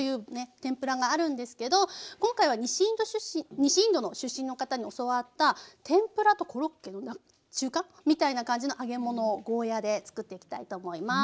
天ぷらがあるんですけど今回は西インドの出身の方に教わった天ぷらとコロッケの中間？みたいな感じの揚げ物をゴーヤーで作っていきたいと思います。